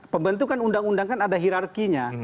pembentukan undang undang kan ada hirarkinya